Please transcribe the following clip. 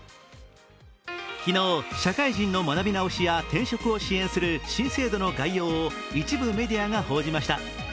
昨日、社会人の学び直しや転職を支援する新制度の概要を一部メディアが報じました。